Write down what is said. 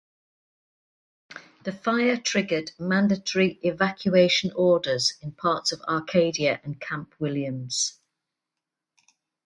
The fire triggered mandatory evacuation orders in parts of Arcadia and Camp Williams.